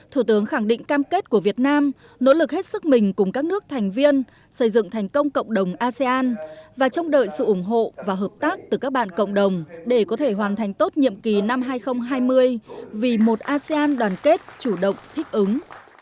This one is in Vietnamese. thủ tướng khẳng định cam kết của việt nam nỗ lực hết sức mình cùng các nước thành viên xây dựng thành công cộng đồng asean và trông đợi sự ủng hộ và hợp tác từ các bạn cộng đồng để có thể hoàn thành tốt nhiệm kỳ năm hai nghìn hai mươi vì một asean đoàn kết chủ động thích ứng